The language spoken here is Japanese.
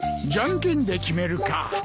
じゃんけんで決めるか。